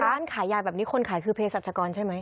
ร้านขายยาแบบนี้คนขายคือเพศรัชกรใช่ไหม